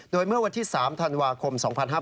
โดยเมื่อวันที่๓ธันวาคม๒๕๕๙